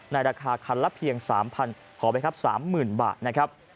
ราคาคันละเพียง๓๐๐ขอไปครับ๓๐๐๐บาทนะครับ